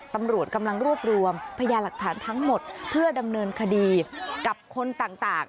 ตำรวจกำลังรวบรวมพยาหลักฐานทั้งหมดเพื่อดำเนินคดีกับคนต่าง